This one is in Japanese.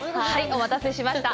お待たせしました。